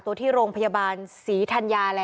ที่โรงพยาบาลศรีธรรญาครับ